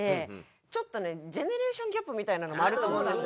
ちょっとねジェネレーションギャップみたいなのもあると思うんですよ